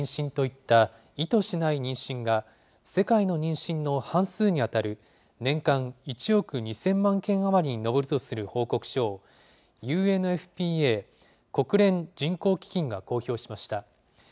女性が望まないタイミングでの妊娠といった意図しない妊娠が、世界の妊娠の半数に当たる年間１億２０００万件余りに上るとする報告書を、ＵＮＦＰＡ・国連人口基金が公表しました。